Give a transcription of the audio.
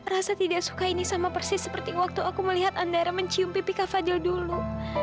rasa tidak suka ini sama persis seperti waktu aku melihat andara mencium pipi ka fadil dulu